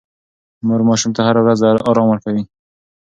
مور ماشوم ته هره ورځ ارام ورکوي.